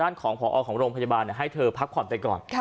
ด้านของขอออกของโรงพยาบาลให้เธอพักขอบใจก่อน